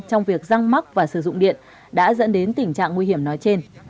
trong việc răng mắc và sử dụng điện đã dẫn đến tình trạng nguy hiểm nói trên